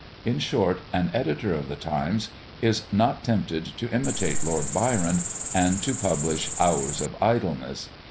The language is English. In short, an editor of the Times is not tempted to imitate Lord Byron, and to publish "Hours of Idleness."